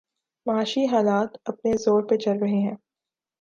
معاشی حالات اپنے زور پہ چل رہے ہیں۔